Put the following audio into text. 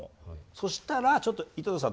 そしたらちょっと井戸田さん